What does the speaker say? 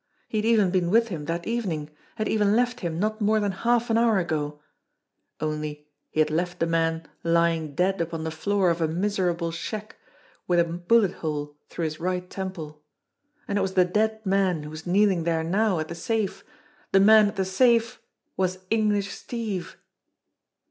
He had even been with him that evening, had even left him not more than half an hour ago only he had left the man lying dead upon the floor of a miserable shack with a bullet hole through his right temple, and it was the dead man who was kneeling there now at the safe. The man at the safe was English Steve.